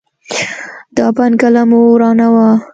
دا بنګله مو ورانومه.